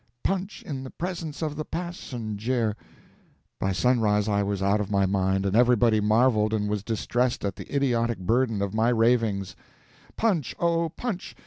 punch in the presence of the passenjare." By sunrise I was out of my mind, and everybody marveled and was distressed at the idiotic burden of my ravings "Punch! oh, punch!